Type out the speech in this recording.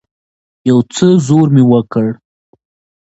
يو څه زور مې وکړ.